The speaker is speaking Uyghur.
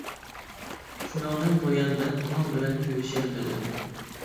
شۇنىڭدىن بۇيان مەن ئۇنىڭ بىلەن كۆرۈشەلمىدىم.